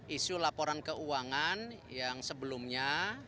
isu laporan keuangan yang sebelumnya